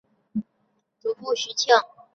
祖父徐庆。